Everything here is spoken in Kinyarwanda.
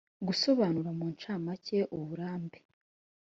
gusobanura mu ncamake uburambe